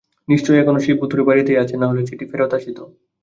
নিশ্চয়ই এখনো সেই ভুতুড়ে বাড়িতেই আছে, নহিলে চিঠি ফেরত আসিত।